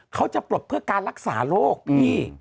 เขาจะปลดเพื่อการรักษาโรคพี่